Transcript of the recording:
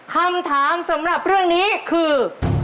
คำถามสำหรับเรื่องนี้คือ